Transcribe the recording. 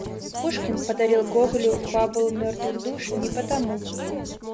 Пушкин подарил Гоголю фабулу "Мертвых душ" не потому